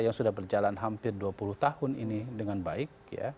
yang sudah berjalan hampir dua puluh tahun ini dengan baik